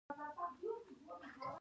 د املوک ونې په مني کې ښکلې وي.